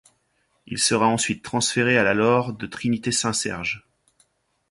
Il sera ensuite transféré à la Laure de la Trinité Saint-Serge.